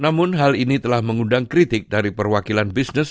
namun hal ini telah mengundang kritik dari perwakilan bisnis